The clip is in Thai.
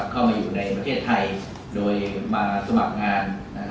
เข้ามาอยู่ในประเทศไทยโดยมาสมัครงาน